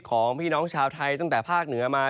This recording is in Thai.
ของพี่น้องชาวไทยตั้งแต่ภาคเหนือมา